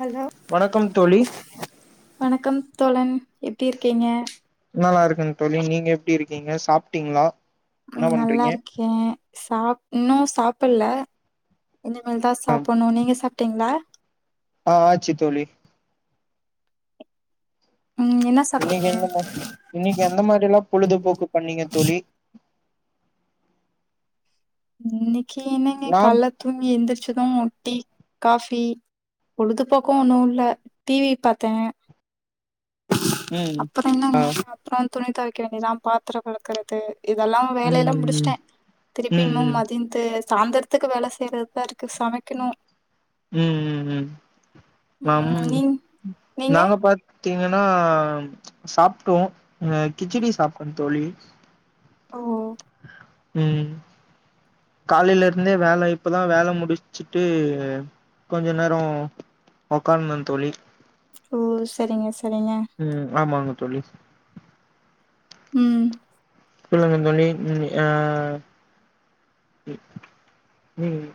Hello வணக்கம் தோழி வணக்கம் தோழன் எப்டி இருக்கீங்க நல்லா இருக்கன் தோழி நீங்க எப்டி இருக்கீங்க சாப்ட்டீங்ளா ம் நல்லா இருக்கே சாப் இன்னு சாப்பல்ல இனிமேல் தா சாப்பண்ணு நீங்க சாப்ட்டீங்ளா ஆ ஆச்சி தோழி ம் என்ன இன்னைக்கு சாப்ட்டீங்க எந்த மார் இன்னைக்கு எந்த மாரிலா பொழுதுபோக்கு பண்ணீங்க தோழி இன்னைக்கி என்னங்க நாம் கால்ல தூங்கி எந்திரிச்சது டீ காஃபி பொழுதுபோக்கு ஒண்ணு இல்ல டிவி பார்த்த ம் அப்புற என்னங்க அப்றோ துணி துவைக்க வேண்டிதா பாத்தரம் வெளகுறது இதெல்லா ம் வேலையெல்லா ம் முடிஸ்ட்ட திருப்பி ம் இன்னும் ம் மதி அது சாந்தரத்துக்கு வேல செய்றதா இருக்கு சமைக்கணு ம் ம் ம் நம் ம் நீங் நீங்க நாங்க பாத் பாத்தீங்கன்னா சாப்ட்டோ அ கிச்சடி சாப்ட்டோ தோழி ஓ ம் காலையில இருந்தே வேல இப்பதா வேல முடிச்சுட்டு கொஞ்ச நேரோ உக்கார்ந்தன் தோழி ஓ சரிங்க சரிங்க ம் ஆமாங்க தோழி உம் சொல்லுங்க தோழி ம் யா ம் ம்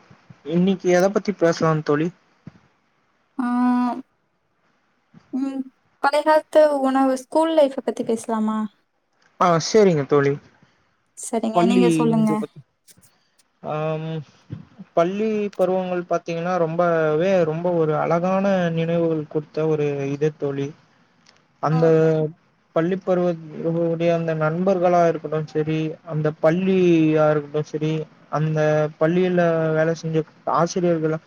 இன்னைக்கு எத பத்தி பேசலா தோழி ஆம் ம் பழைய காலத்து உணவு ஸ்கூல் லைஃப்ப பத்தி பேசலாமா ஆ சரிங்க தோழி சரிங்க. பள்ளி நீங்க சொல்லுங்க. இது பத்தி ஆம் பள்ளி பருவங்கள் பாத்தீங்னா ரொம்பவே ரொம்ப ஒரு அழகான நினைவுகள் குடு த்த ஒரு இத தோழி அந்த ம், பள்ளி பருவ [unintelligible] அந்த நண்பர்களா இருக்கட்டு சரி அந்த பள்ளியா இருக்கட்டு சரி அந்த பள்ளியில வேல செஞ்ச ஆசிரியர்கள்ளா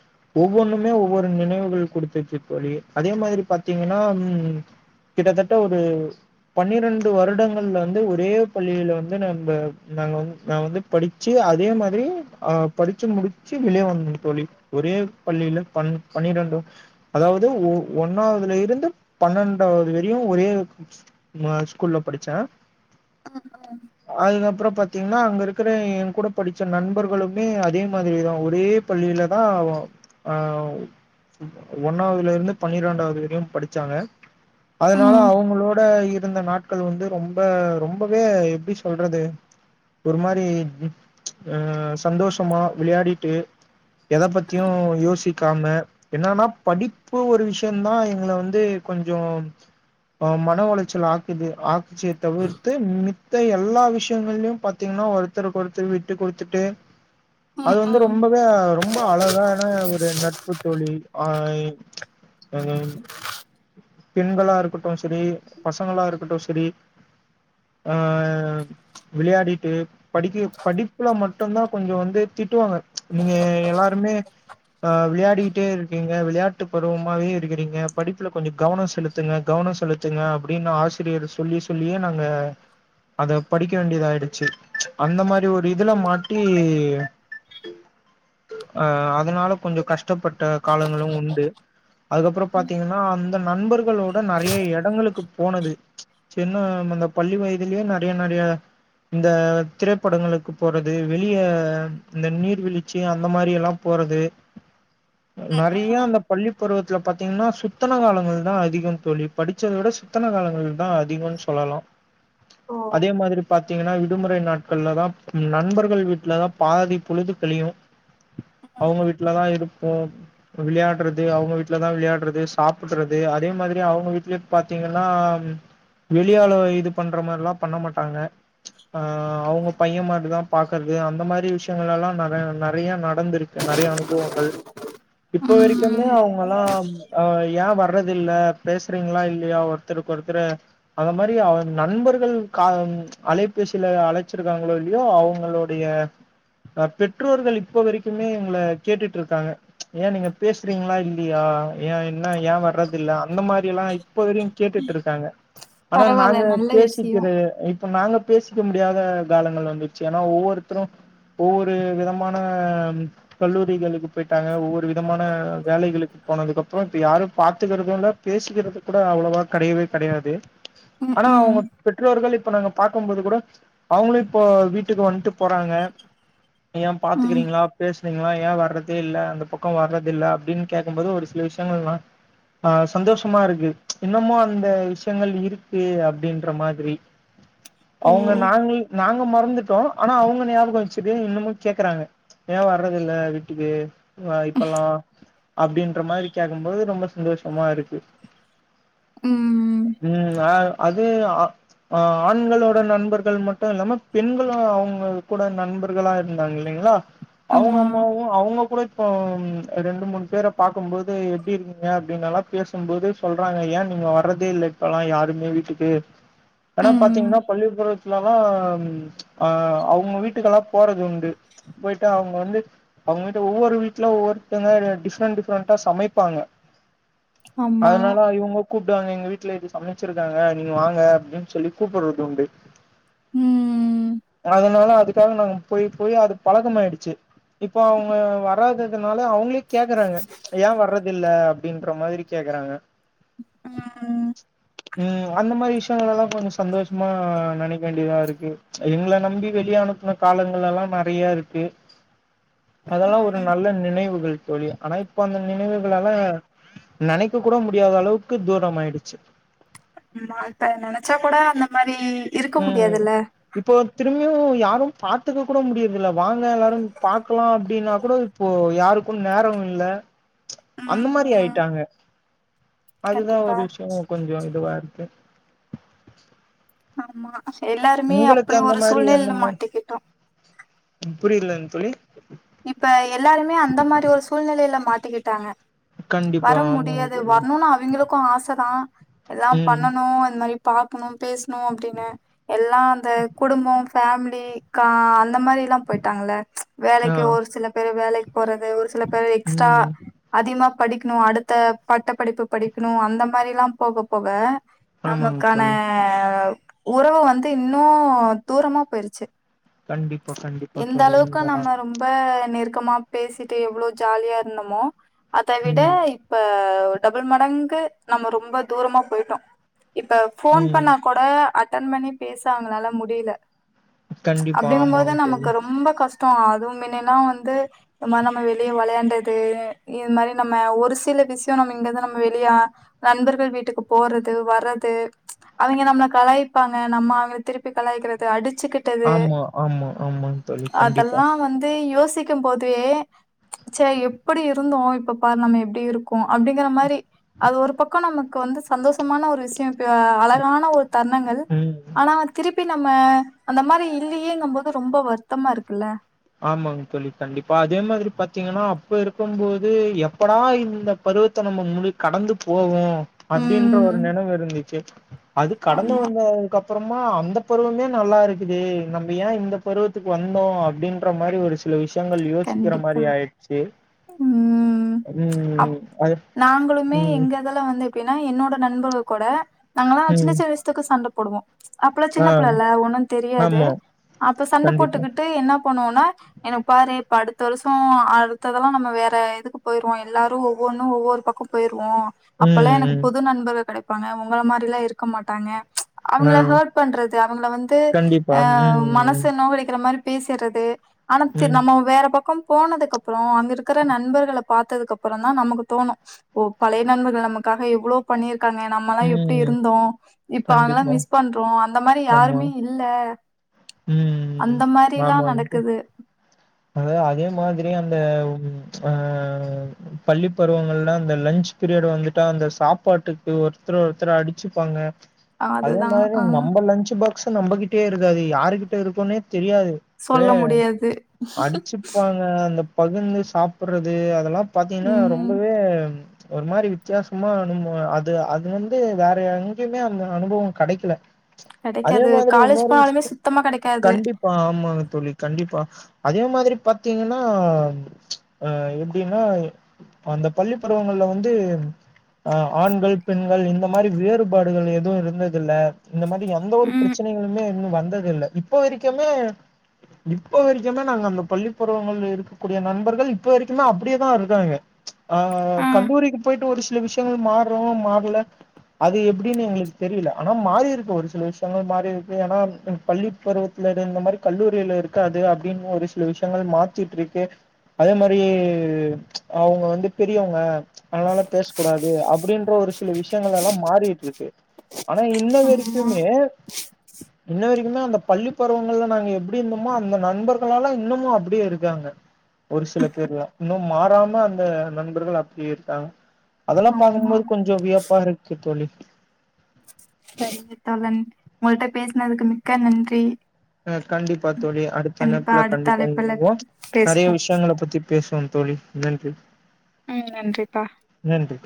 ஒவ்வொன்னுமே ஒவ்வொரு நினைவுகள் குடுத்துச்சி தோழி அதே மாதிரி பாத்தீங்னா உ உம் கிட்டத்தட்ட ஒரு பன்னிரண்டு வருடங் அந்த வந்து ஒரே பள்ளியில வந்து நம்ம நாங்க நா வந்து படிச்சி அதே மாதிரி ஆப் படிச்சி முடிச்சு வெளியே வந்த தோழி ஒரே பள்ளியில ப பன்னிரெண்டு அதாவது ஒ ஒன்னாவதுல இருந்து பன்னெண்டாவது வரையு ஒரே ஒரு ஸ்கூல்ஸ் மா ஸ்கூல்ல படிச்ச ஆ ஆ அதுக்கப்ரோ பாத்தீங்னா அங்க இருக்கிற ஏ கூட படிச்ச நண்பர்களுமே அதே மாதிரிதா ஒரே பள்ளியில தா ஆவாப் அவ் ஒன்னாவதுல இருந்து பன்னிரெண்டாவது வரையு படிச்சாங்க அதனால ம். அவங்களோட இருந்த நாட்கள் வந்து ரொம்ப ரொம்பவே எப்டி சொல்றது ஒரு மாதிரி அ அ அ சந்தோஷமா விளையாடிட்டு எத பத்தியு யோசிக்காம என்னன்னா படிப்பு ஒரு விஷயதா எங்கள வந்து கொஞ்சோம் ஆம் மன உளைச்சல் ஆக்கு ஆக்குசியே தவிர்த்து மித் த்த எல்லா விஷயங்கள்யு பாத்தீங்னா ஒருத்தருக்கு ஒருத்தர் விட்டு குடுத்துட்டு அது ம், வந்து ம், ரொம்பவே ரொம்ப அழகானான ஒரு நட்பு தோழி ஆ [unintelligible] பெண்களா இருக்கட்டுசரி பசங்களா இருக்கட்டு சரி அ அ விளையாடிட்டு படிக்க படிப்புல மட்டும்தா கொஞ்சோ வந்து திட்டுவாங்க நீங்க எல்லாருமே ஆ விளையாடிக்கிட்டே இருக்கீங்க விளையாட்டு பருவமாவே இருக்கிறீங்க படிப்புல கொஞ்சோ கவனம் செலுத் த்துங்க கவனோ செலுத்துங்க அப்டின்னு ஆசிரியர் சொல்லி சொல்லியே நாங்க அத படிக்க வேண்டியதா ஆயிடுச்சி அந்த மாதிரி ஒரு இதுல மாட்டி அ அதனால கொஞ்ச கஷ்டப்பட்ட காலங்களு உண்டு அதுக்கப்ரோ ம். பாத்தீங்னா அந்த நண்பர்களோட நறைய எடங்களுக்கு போனது சின்ன இந்தந்த பள்ளி வயதுலேயே நறைய நறைய இந்த திரைப்படங்களுக்கு போறது வெளிய இந்த நீர்வீழ்ச்சி அந்த மாதிரி எல்லாம் போறது நெறைய ம். அந்த பள்ளி பருவத்துல பாத்தீங்கன்னா சுத்தன காலங்கள் தா அதிகம் தோழி படிச்சத விட சுத்தன காலங்கள் தா அதிகன் சொல்லலா ஓ! அதே மாதிரி பா பாத்தீங்கன்னா விடுமுறை நாட்கள்லதா நண்பர்கள் வீட்டுலதா பாதி பொழுது கழியு அவங்க வீட்டுலதா இருப்போ விளையாடுறது அவங்க வீட்டுலதா விளையாடுறது சாப்புடுறது அதே மாதிரி அவங்க வீட்ல பாத்தீங்கன்னா வெளியாலுவ இது பண்ற மார்ல்லா பண்ண மாட்டாங்க ஆ அவங்க பைய மாரிதா பாக்கறது அந்த மாரி விஷயங்கள் எல்லா நெறைய நெறைய நடந்துருக்கு நெறைய அனுபவங்கள் இப்ப வரைக்குமே ம். அவங்க எல்லா ஏ வர்றது இல்ல பேசறீங்களா இல்லயா ஒருத்தருக்கு ஒருத்தரு அந்த மாரி அவ நண்பர்கள் கா அலைபேசியில அழைச்சிருக்காங்களோ இல்லயோ அவங்களுடைய அ பெற்றோர்கள் இப்ப வரைக்குமே எங்கள கேட்டுட்ருக்காங்க ஏ நீங்க பேசுறீங்களா இல்லையா ஏன் என்ன ஏன் வர்றது இல்ல அந்த மாரி எல்லா இப்போதரையு கேட்டுட்ருக்காங்க ஆனா பரவால்ல நாங்க நல்ல விஷயோ. பேசிக்கிற இப்ப நாங்க பேசிக்க முடியாத காலங்கள் வந்துருச்சு ஏன்னா ஒவ்வொருத்தரு ஒவ்வொரு விதமான கல்லூரிகளுக்கு போய்ட்டாங்க ஒவ்வொரு விதமான வேலைகளுக்கு போனதுக்குப்பறோ இப்ப யாரு பாத்துக்கறது இல்ல பேசிக்கறது கூட அவ்வளவா கெடையவே கெடையாது ம், ஆனா அவங்க ம், பெற்றோர்கள் இப்ப நாங்க பாக்கும்போது கூட அவங்களு இப்போ வீட்டுக்கு வந்ட்டு போறாங்க ஏன் ம். பாத்துக்குறீங்களா பேசுறீங்களா ஏன் வர்றதே இல்ல அந்த பக்கோ வர்றதில்ல அப்டின்னு கேகும்போது ஒரு சில விஷ் விஷ்யங்கல்லா ஆ சந்தோஷமா இருக்கு இன்னமு அந்த விஷயங்கள் இருக்கு அப்டின் ன்ற மாதிரி ஓ! அவங்க நாங்கள் நாங்க மறந்துட்டோ ஆனா அவுங்க ஞாபகோ வெச்சுட்டு இன்னமு கேக்கறாங்க ஏ வர்றதில்ல வீட்டுக்கு அ இப்பல்லா அப்டின்ற மாரி கேக்கும்போது ரொம்ப சந்தோஷமா இருக்கு ம் ம் அ அது அ ஆ ஆண்களோட நண்பர்கள் மட்டு இல்லாம பெண்களும் அவங்க கூட நண்பர்களா இருந்தாங்க இல்லைங்களா அவங்க ஆமா. அம்மாவ அவங்க கூட இப்ப ரெண்டு மூணு பேர பாக்கும் போது எப்டி இருக்கீங்க அப்டின்னெல்லா பேசும்போது சொல்றாங்க ஏ நீங்க வர்றதே இல்ல இப்பெல்லா யாருமே வீட்டுக்கு ஆனா ம். பாத்தீங்கன்னா பள்ளி பருவத்துலல்லா ஆ அவுங்க வீட்டுக்கெல்லா போறதுண்டு போய்ட்டு அவங்க வந்து அவுங்க வீட்டு ஒவ்வொரு வீட்ல ஒவ்வொருத்தங்க டிப்ரெண்ட் டிஃப்ரண்டா சமைப்பாங்க ஆமா. அதனால இவங்க கூப்டுவாங்க எங்க வீட்ல இது சமச்சிருக்காங்க நீங்க வாங்க அப்டின் சொல்லி கூப்பரதுண்டு ம் ம் அதனால அதுக்காக நாங்க போய் போய் அது பழக்கமாயிடுச்சு இப்போ அவங்க வராதது அதனால அவங்களே கேக்கறாங்க ஏ வர்றதில்ல அப்டின்ற மாதிரி கேக்கறாங்க ம் ம் ம் அந்த மாரி விஷ் யங்கலெல்லா கொஞ்சோ சந்தோஷமா நெனைக்க வேண்டியதா இருக்கு எங்கள நம்பி வெளிய அனுப்ன காலங்கள் எல்லா நெறைய இருக்கு அதெல்லா ஒரு நல்ல நினைவுகள் தோழி ஆனா இப்ப அந்த நினைவுகளலா நெனைக்க கூட முடியாத அளவுக்கு தூரம் ஆயிடுச்சு ஆமா இப்ப நெனைச்சா கூட அந்த மாரி இருக்க ம் முடியாதுல்ல. இப்போ திரும்பியு யாரும் பாத்துக்க கூட முடிய இதுல்ல வாங்க எல்லாரும் பாக்கலா அப்டின்னா கூட இப்போ யாருக்கும் நேரம் இல்ல அந்த மாரி ம் ஆயிட்டாங்க அதுதா கண்டிப்பா. ஒரு விஷயம் கொஞ்ச இதுவா இருக்கு ஆமா எல்லாருமே உங்களுக்கு அப்படி அந்த ஒரு மாரி எந்த சூழ்நிலைல மாரி மாட்டிக்கிட்டோ புரியலங் தோழி இப்ப எல்லாருமே அந்த மாரி ஒரு சூழ்நிலையில மாட்டிக்கிட்டாங்க கண்டிப்பா வர ஆமாங்க முடியாது தோழி வரணுனு அவிங்களுக்கு ஆசதா எல்லாம் ம் பண்ணணு இந்த மாரி பாக்கணு பேசணு அப்டின்னு எல்லா அந்த குடும்பம் ஃபேமிலி கா அந்த மாரில்லா போயிட்டாங்கள வே கே ஆ ஒரு சில பேரு வேலைக்கு போறது ஒரு சில பேரு எக்ஸ்டா ம் அதிகமா படிக்ணு அடுத்த பட்ட படிப்பு படிக்கணு அந்த மாரில்லா போக போக ஆமாங்க நமக்கான தோழி உறவு வந்து இன்னு தூரமா போயிருச்சு கண்டிப்பா கண்டிப்பா எந்த தோழி அளவுக்கு உண்மதா நம்ம ரொம்ப நெருக்கமா பேசிட்டு எவ்ளோ ஜாலியா இருந்தமோ அத விட ம் இப்ப டபுள் மடங்கு நம்ம ரொம்ப தூரமா போயிட்டோ இப்ப ஃபோன் ம் பண்ணா கோட அட்டன் பண்ணி பேச அங்களால முடியல கண்டிப்பா அப்படிங்கும்போது ஆமாங்க நமக் தோழி ரொம்ப கஷ்ட அதும் இல்லைனா வந்து இந்த மாரி நம்ம வெளிய வெளையாண்டது இது மாரி நம்ம ஒரு சில விஷய நம்ம இங்கருந்து நம்ம வெளியலா நண்பர்கள் வீட்டுக்கு போறது வர்றது அவிங்க நம்மள கலாய்ப்பாங்க நம்ம அவங்கள திருப்பி கலாய்க்கறது அடிச்சுக்கிட் ஆமா ஆமா ஆமா அதெல்லா வந்து யோசிக்கும் போதே சே எப்படி இருந்தோ இப்ப பாரு நம்ம எப்டி இருக்கோ அப்டிங்கிற மாரி அது ஒரு பக்க நமக்கு வந்து சந்தோஷமான ஒரு விஷய அழகான ஒரு தருணங்கள் ம் ஆனா திருப்பி நம்ம அந்த மாரி இல்லையேங்கும்போது ரொம்ப வருத்தமா இருக்குல்ல ஆமாங்க தோழி கண்டிப்பா அதே மாதிரி பாத்திங்கன்னா அப்ப இருக்கும் போது எப்படா இந்த பருவத்த நம்ம முடி கடந்து போவோ அப்படின்ற ஒரு ம். நினவு இருந்துச்சு அது கடந்து ஆமா, வந்ததுக்கப் பறமா அந்த பருவமே நல்லா இருக்குது நம்ம ஏ இந்த பருவத்துக்கு வந்தோ அப்படின்ற மாரி ஒரு சில விஷயங்கள் யோசிக்கிற கண்டிப்பா. மாரி ஆயிடுச்சு ம் அப் ம் அது நாங்களுமே ம் எங்க இதுல வந்து எப்டின்னா என்னோட நண்பர்கள் கூட நாங்கல்லா ம் சின்ன சின்ன விஷயத்துக்கு சண்ட போடுவோ அப்பல்லா ஆ சின்ன பிள்ள இல்ல ஒன்னு தெரியாது ஆமா அப்ப சண்ட கண்டிப்பா போட்டுக்கிட்டு என்ன பண்ணுவோனா எனக்கு பாரு இப்ப அடுத்த வருஷ அடுத்ததெல்லா நம்ம வேற இதுக்கு போயிருவோ எல்லாரு ஒவ்வொன்னு ஒவ்வொரு பக்க போயிருவோ அப்பல்லா ம் எனக்கு ம் புது நண்பர்கள் கெடைப்பாங்க உங்கள மாரி எல்லா இருக்க மாட்டாங்க ஆ அவங்கள ஹெர்ட் பண்றது அவங்கள வந்து கண்டிப்பா அ ம் ம் மனச நோகடிக்கிற மாரி பேசிறது ஆனா தெ ம் நம்மோ பக்கம் போனதுக்கப்பற அங்க இருக்கிற நண்பர்கள பாத்ததுக்கப்புறந்தா நமக்கு தோணு ஓ பழைய நண்பர்கள் நமக்காக எவ்ளோ பண்ணிருக்காங்க நம்மல்லா எப்டி ம் இருந்தோ இப்ப அவுங்கல்லாம் கண்டிப்பா மிஸ் பண்றோ அந்த மாரி ஆமா யாருமே இல்ல ம் அந்த மாரிலா ஆமாங்க நடக்குது அதா அதே மாதிரி அந்த உ ஆ பள்ளி பருவங்கள்லா அந்த லன்ச் பீரியட் வந்துட்டா அந்த சாப்பாட்டுக்கு ஒருத்தர் ஒருத்தர் அடிச்சுப்பாங்க அதே அதுதான் மாரி ஆ நம்ம லன்சு பாக்ஸ் நம்மகிட்டயே இருக்காது யாருகிட்ட இருக்குன்னே தெரியாது சொல்ல முடியாது அடிச்சுப்பாங்க அந்த பகுந்து சாப்புட்றது அதெல்லா பாத்தீங்கன்னா ம் ரொம்பவே ஒரு மாரி வித்தியாசமா அனுபவோ அது அது வந்து வேற எங்கேயுமே அந்த அனுபவொ கெடைக்கல அதே கெடைக்காது. மாதிரி காலேஜ் ஒன்னொரு போனாலுமே விஷயம் சுத்தமா கெடைக்காது. கண்டிப்பா ஆமாங்க தோழி கண்டிப்பா அதே மாதிரி பாத்தீங்கன்னா அ எப்டின்னா அந்த பள்ளி பருவங்கள்ல வந்து அ ஆண்கள் பெண்கள் இந்த மாரி வேறுபாடுகள் எதுவு இருந்ததுல்ல இந்த மாரி எந்த ஒரு ம் பிரச்சனைகளுமே இன்னு வந்ததுல்ல இப்ப வரைக்குமே இப்ப வரைக் [unintelligible] நாங்க அந்த பள்ளிப்ருவங்கள்ல இருக்கக்கூடிய நண்பர்கள் இப்ப வரைக்கும அப்டியேதா இருக்காங்க ஆ ஆ கல்லூரிக்கு போயிட்டு ஒரு சில விஷயங்கள் மாறும் மாற்ல அது எப்டின்னு எங்களுக்கு தெரியல ஆனா மாறி இருக்கு ஒரு சில விஷயங்கள் மாறி இருக்கு ஏன்னா பள்ளி பருவத்துல இருந்த மாரி கல்லூரியில இருக்காது அப்டின்னு ஒரு சில விஷயங்கள் மாத்திட்டு இருக்கு அதே மாரி அவுங்க வந்து பெரியவங்க அதனால பேச கூடாது அப்டின்ற ஒரு சில விஷயங்கள் எல்லா மாறிட்டு இருக்கு ஆனா இன்ன ஆமா வரைக்குமே இன்ன வரைக்குமே அந்த பள்ளி பருவங்கள்ல நாங்க எப்டி இருந்தோமோ அந்த நண்பர் மக்களாலா இன்னமு அப்படியே இருக்காங்க ஒரு சில பேர்லா இன்னும் மாறாம அந்த நண்பர்கள் அப்டியே இருக்காங்க அதெல்லா ஆமா பாக்கும்போது கொஞ்சோ வியப்பா இருக்கு தோழி சரிங்க தோழன் உங்கள்கிட்ட பேசுனதுக்கு மிக்க நன்றி அ கண்டிப்பா தோழி அடுத்த கண்டிப்பா இணைப்புல அடுத்த கண்டிப்பா அழைப்புல இனைவோ நெறைய பேசுவோம். விஷயங்கள பத்தி பேசுவோம் தோழி நன்றி ம் நன்றிப்பா நன்றி